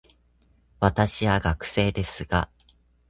私は学生ですが、